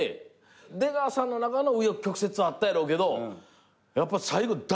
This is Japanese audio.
出川さんの中の紆余曲折はあったやろうけどやっぱ最後大爆発。